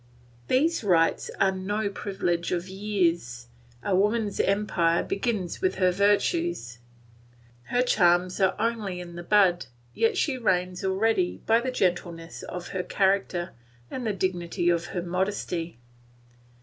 These rights are no privilege of years; a woman's empire begins with her virtues; her charms are only in the bud, yet she reigns already by the gentleness of her character and the dignity of her modesty.